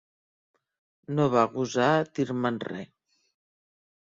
No va gosar dir-me'n re.